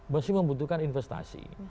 mesti membutuhkan investasi